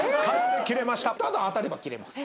ただ当たれば切れます。